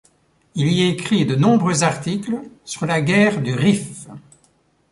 Il y écrit de nombreux articles sur la guerre du Rif.